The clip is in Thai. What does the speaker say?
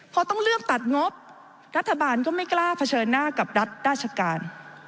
พอต้องเลือกตัดงบรัฐบาลก็ไม่กล้าเผชิญหน้ากับรัฐราชการ